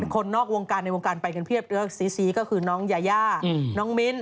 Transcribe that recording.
คนนอกวงการในวงการไปกันเพียบซีก็คือน้องยายาน้องมิ้น